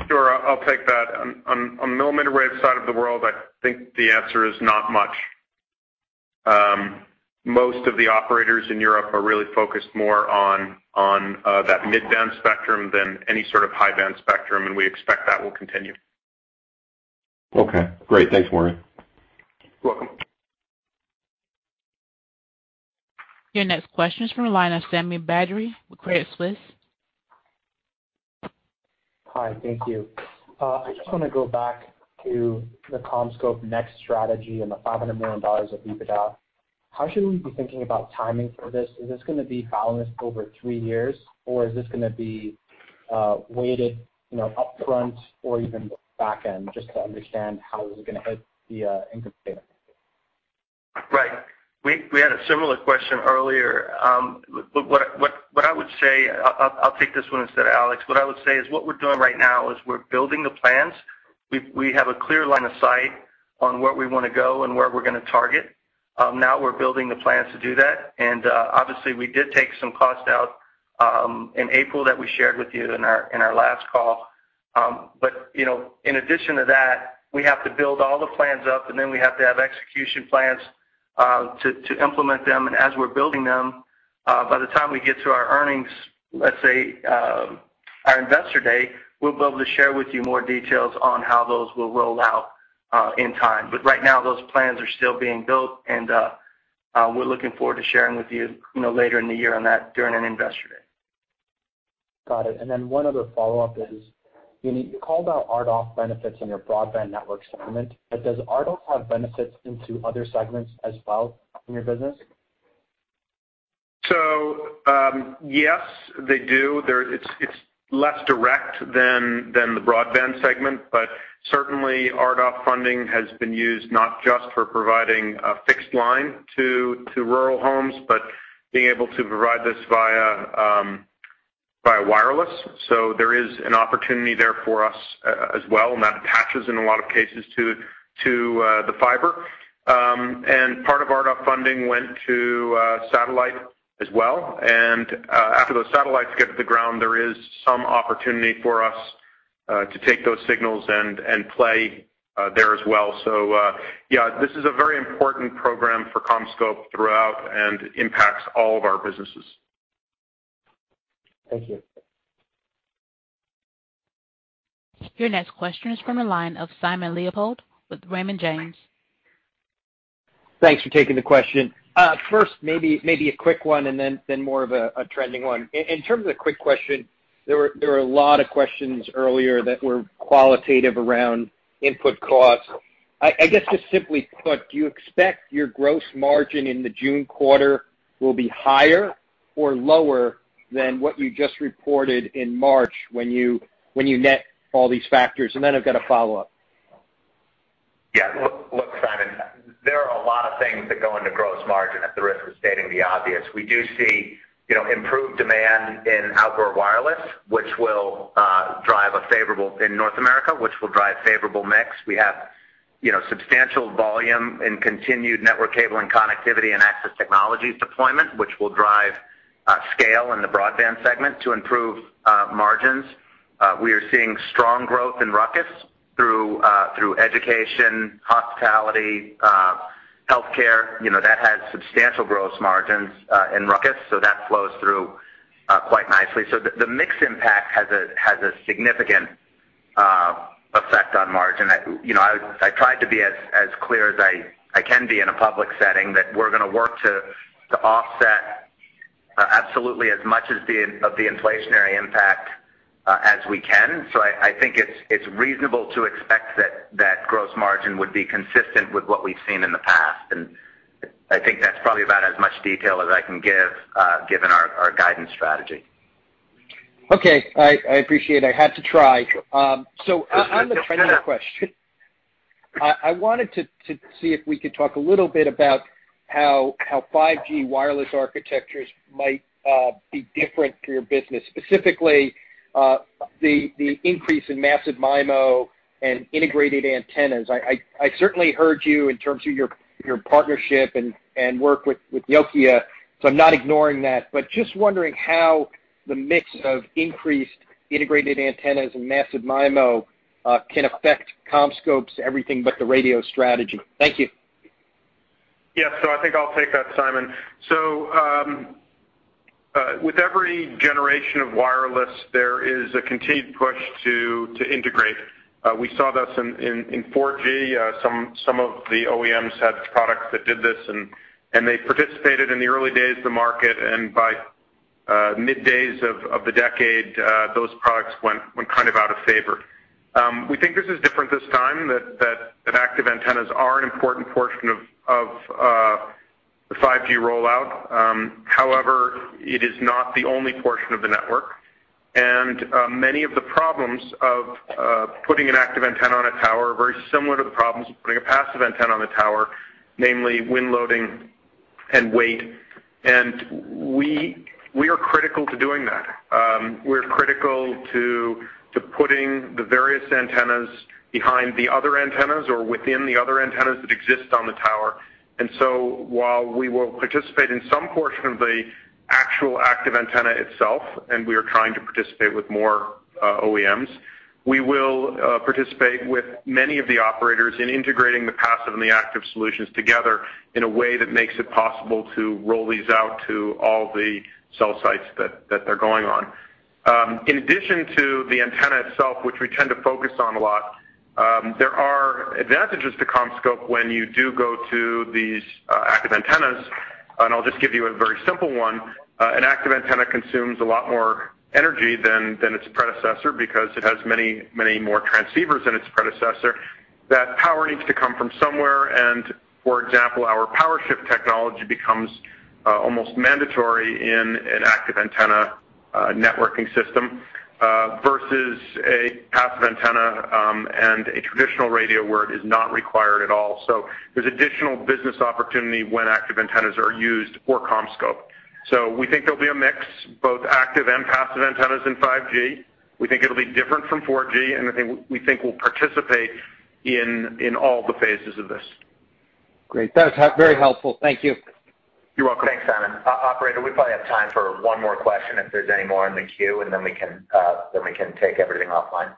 Sure. I'll take that. On millimeter wave side of the world, I think the answer is not much. Most of the operators in Europe are really focused more on that mid-band spectrum than any sort of high-band spectrum, and we expect that will continue. Okay, great. Thanks, Morgan. You're welcome. Your next question is from the line of Sami Badri with Credit Suisse. Hi. Thank you. I just want to go back to the CommScope NEXT strategy and the $500 million of EBITDA. How should we be thinking about timing for this? Is this going to be balanced over three years, or is this going to be weighted upfront or even back end just to understand how this is going to hit the income statement? Right. We had a similar question earlier. What I would say, I'll take this one instead of Alex. What I would say is what we're doing right now is we're building the plans. We have a clear line of sight on where we want to go and where we're going to target. Now we're building the plans to do that. Obviously, we did take some cost out in April that we shared with you in our last call. In addition to that, we have to build all the plans up, and then we have to have execution plans to implement them. As we're building them, by the time we get to our earnings, let's say, our Investor Day, we'll be able to share with you more details on how those will roll out in time. Right now, those plans are still being built, and we're looking forward to sharing with you later in the year on that during an Investor Day. Got it. Then one other follow-up is, you called out RDOF benefits in your broadband network segment, but does RDOF have benefits into other segments as well in your business? Yes, they do. It's less direct than the broadband segment, but certainly RDOF funding has been used not just for providing a fixed line to rural homes, but being able to provide this via wireless. There is an opportunity there for us as well, and that attaches in a lot of cases to the fiber. Part of RDOF funding went to satellite as well. After those satellites get to the ground, there is some opportunity for us to take those signals and play there as well. Yeah, this is a very important program for CommScope throughout and impacts all of our businesses. Thank you. Your next question is from the line of Simon Leopold with Raymond James. Thanks for taking the question. First, maybe a quick one then more of a trending one. In terms of the quick question, there were a lot of questions earlier that were qualitative around input costs. I guess just simply put, do you expect your gross margin in the June quarter will be higher or lower than what you just reported in March when you net all these factors? Then I've got a follow-up. Look, Simon, there are a lot of things that go into gross margin at the risk of stating the obvious. We do see improved demand in outdoor wireless, which will drive a favorable in North America, which will drive favorable mix. We have substantial volume in continued network cable and connectivity and access technologies deployment, which will drive scale in the broadband segment to improve margins. We are seeing strong growth in RUCKUS through education, hospitality, healthcare, that has substantial gross margins in RUCKUS, that flows through quite nicely. The mix impact has a significant effect on margin. I tried to be as clear as I can be in a public setting that we're going to work to offset absolutely as much of the inflationary impact as we can. I think it's reasonable to expect that gross margin would be consistent with what we've seen in the past, I think that's probably about as much detail as I can give, given our guidance strategy. Okay. I appreciate it. I had to try. Sure. On the trending question, I wanted to see if we could talk a little bit about how 5G wireless architectures might be different for your business, specifically, the increase in massive MIMO and integrated antennas. I certainly heard you in terms of your partnership and work with Nokia, so I'm not ignoring that. Just wondering how the mix of increased integrated antennas and massive MIMO can affect CommScope's Everything But The Radio strategy. Thank you. Yeah. I think I'll take that, Simon. With every generation of wireless, there is a continued push to integrate. We saw this in 4G. Some of the OEMs had products that did this, and they participated in the early days of the market, and by middays of the decade, those products went out of favor. We think this is different this time, that active antennas are an important portion of the 5G rollout. However, it is not the only portion of the network. Many of the problems of putting an active antenna on a tower are very similar to the problems with putting a passive antenna on a tower, namely wind loading and weight. We are critical to doing that. We're critical to putting the various antennas behind the other antennas or within the other antennas that exist on the tower. While we will participate in some portion of the actual active antenna itself, and we are trying to participate with more OEMs, we will participate with many of the operators in integrating the passive and the active solutions together in a way that makes it possible to roll these out to all the cell sites that they're going on. In addition to the antenna itself, which we tend to focus on a lot, there are advantages to CommScope when you do go to these active antennas, and I'll just give you a very simple one. An active antenna consumes a lot more energy than its predecessor because it has many more transceivers than its predecessor. That power needs to come from somewhere. For example, our PowerChip technology becomes almost mandatory in an active antenna networking system, versus a passive antenna, and a traditional radio where it is not required at all. There's additional business opportunity when active antennas are used for CommScope. We think there'll be a mix, both active and passive antennas in 5G. We think it'll be different from 4G. We think we'll participate in all the phases of this. Great. That's very helpful. Thank you. You're welcome. Thanks, Simon. Operator, we probably have time for one more question if there's any more in the queue. Then we can take everything offline.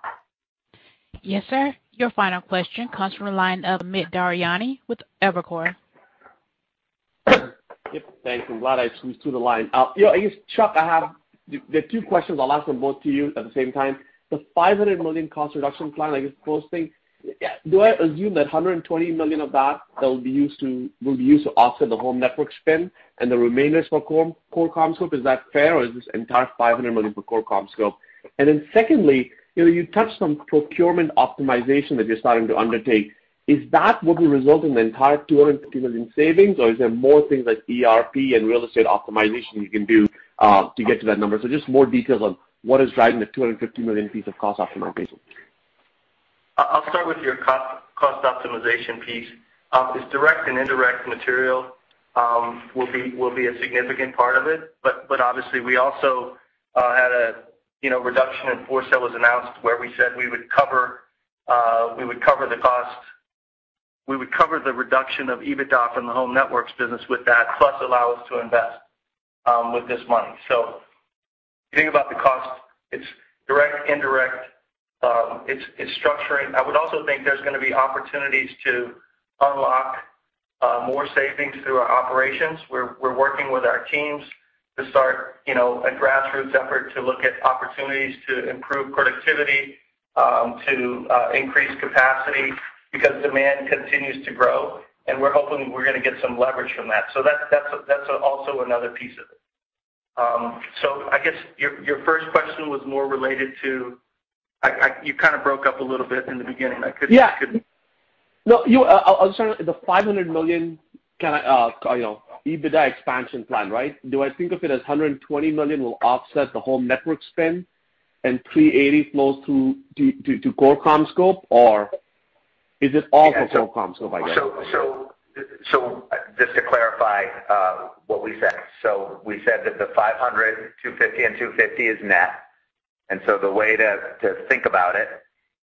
Yes, sir. Your final question comes from the line of Amit Daryanani with Evercore. Yep. Thanks. I'm glad I squeezed through the line. Chuck, I have two questions. I'll ask them both to you at the same time. The $500 million cost reduction plan, I guess. Yeah. Do I assume that $120 million of that will be used to offset the Home Networks spend and the remainder is for core CommScope? Is that fair, or is this entire $500 million for core CommScope? Secondly, you touched on procurement optimization that you're starting to undertake. Is that what will result in the entire $250 million savings, or is there more things like ERP and real estate optimization you can do to get to that number? Just more details on what is driving the $250 million piece of cost optimization. I'll start with your cost optimization piece. It's direct and indirect material will be a significant part of it. Obviously, we also had a reduction in foresight was announced where we said we would cover the reduction of EBITDA from the Home Networks business with that, plus allow us to invest with this money. If you think about the cost, it's direct, indirect, it's structuring. I would also think there's going to be opportunities to unlock more savings through our operations. We're working with our teams to start a grassroots effort to look at opportunities to improve productivity, to increase capacity, because demand continues to grow, and we're hoping we're going to get some leverage from that. That's also another piece of it. I guess your first question was more related to You kind of broke up a little bit in the beginning. Yeah. No, I'll start. The $500 million EBITDA expansion plan, right? Do I think of it as $120 million will offset the whole network spend and $380 flows to core CommScope, or is it all for core CommScope, I guess? Just to clarify what we said. We said that the $500, $250, and $250 is net. The way to think about it,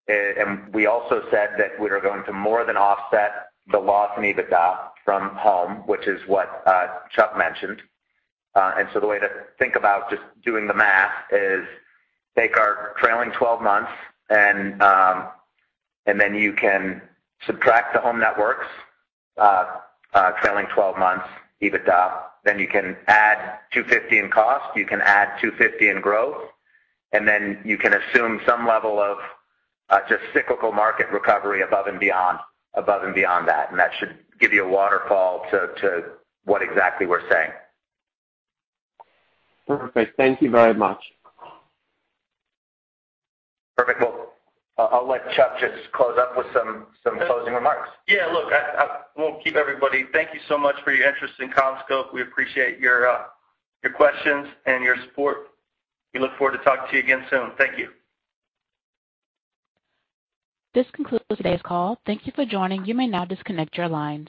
and we also said that we are going to more than offset the loss in EBITDA from Home, which is what Chuck mentioned. The way to think about just doing the math is take our trailing 12 months, and then you can subtract the Home Networks trailing 12 months EBITDA. You can add $250 in cost, you can add $250 in growth, and then you can assume some level of just cyclical market recovery above and beyond that. That should give you a waterfall to what exactly we're saying. Perfect. Thank you very much. Perfect. I'll let Chuck just close up with some closing remarks. Yeah, look, we'll keep everybody. Thank you so much for your interest in CommScope. We appreciate your questions and your support. We look forward to talking to you again soon. Thank you. This concludes today's call. Thank you for joining. You may now disconnect your lines.